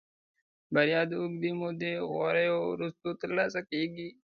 بريا د اوږدې مودې خواريو وروسته ترلاسه کېږي.